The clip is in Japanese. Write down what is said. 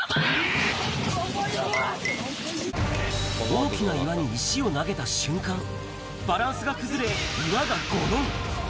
大きな岩に石を投げた瞬間、バランスが崩れ、岩がごろん。